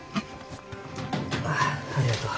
あありがとう。